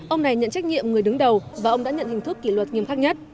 ông này nhận trách nhiệm người đứng đầu và ông đã nhận hình thức kỷ luật nghiêm khắc nhất